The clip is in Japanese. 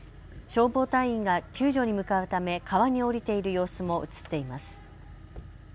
消防隊員が救助に向かうため川に降りている様子も映っています。